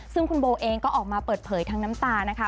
ซึ่งคุณโบเองก็ออกมาเปิดเผยทั้งน้ำตานะคะ